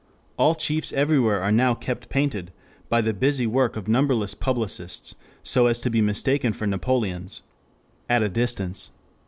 All chiefs everywhere are now kept painted, by the busy work of numberless publicists, so as to be mistaken for Napoleons at a distance....